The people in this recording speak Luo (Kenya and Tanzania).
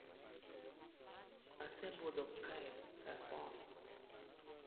Asebudho kae sawa sawa.